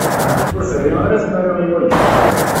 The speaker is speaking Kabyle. Ur terri ara tmara i waya.